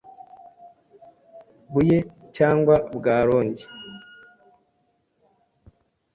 Buye cyangwa bwa Rongi.